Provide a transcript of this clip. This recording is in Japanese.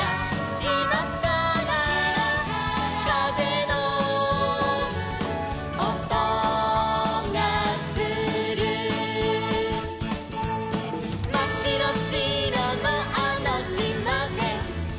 「しまからかぜのおとがする」「まっしろしろのあのしまで」